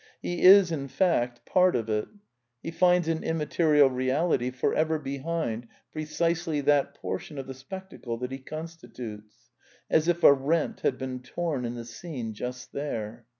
'' He is, in fact, part of it. He finds an immaterial reality for ever behind pre cisely that portion of the spectacle that he constitutes; as if a rent had been torn in the scene just there.